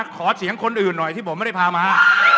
ขอเสียงคนอื่นหน่อยที่ผมไม่ได้พามา